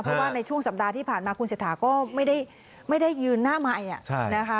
เพราะว่าในช่วงสัปดาห์ที่ผ่านมาคุณเศรษฐาก็ไม่ได้ยืนหน้าไมค์นะคะ